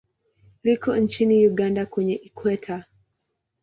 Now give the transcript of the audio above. Liko nchini Uganda kwenye Ikweta.